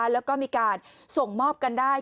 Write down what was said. แล้วก็มีการส่งมอบกันได้